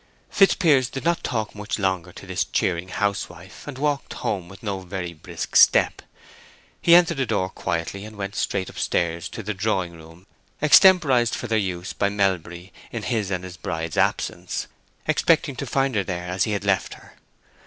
Fitzpiers did not talk much longer to this cheering housewife, and walked home with no very brisk step. He entered the door quietly, and went straight up stairs to the drawing room extemporized for their use by Melbury in his and his bride's absence, expecting to find her there as he had left her.